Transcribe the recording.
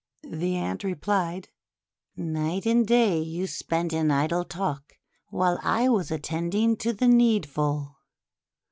The Ant replied :— "Night and day you spent in idle talk, while I was attending to the needful.